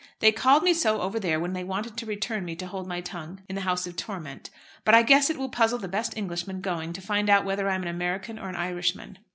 They called me so over there when they wanted to return me to hold my tongue in that House of Torment; but I guess it will puzzle the best Englishman going to find out whether I'm an American or an Irishman.